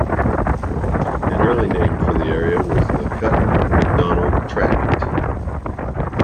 An early name for the area was the Cutten-McDonald Tract.